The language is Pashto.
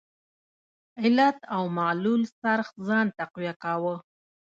علت او معلول څرخ ځان تقویه کاوه.